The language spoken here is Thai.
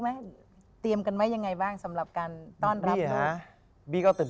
ไหมเตรียมกันไว้ยังไงบ้างสำหรับการต้อนรับนะบีก็ตื่น